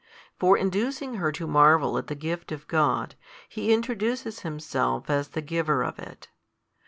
For inducing her to marvel |207 at the gift of God, He introduces Himself as the Giver of it.